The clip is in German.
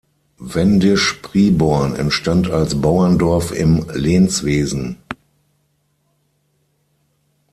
Wendisch Priborn entstand als Bauerndorf im Lehnswesen.